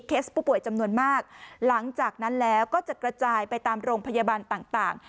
ผู้ป่วยจำนวนมากหลังจากนั้นแล้วก็จะกระจายไปตามโรงพยาบาลต่าง